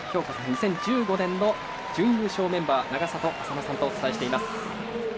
２０１５年の準優勝メンバー永里亜紗乃さんとお伝えしています。